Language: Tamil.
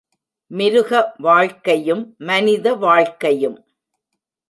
மிருக வாழ்க்கையும் மனித வாழ்க்கையும்...